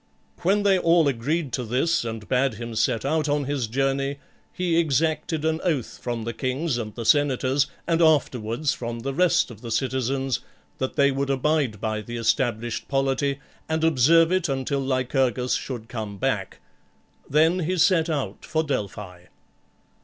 When they all agreed to this and bade him set out on his journey, he exacted an oath from the kings and the senators, and afterwards from the rest of the citizens, that they would abide by the established polity and observe it until Lycurgus should come back ; then he set out for Delphi.